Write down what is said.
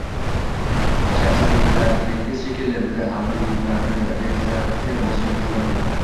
— Charchadilaringiz shekilli, — dedi Аmir yuzlarini reza ter bosgan qizlarga.